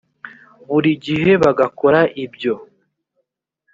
buri gihe bagakora ibyo